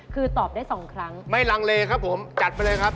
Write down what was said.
คือตอบได้สองครั้งไม่ลังเลครับผมจัดไปเลยครับ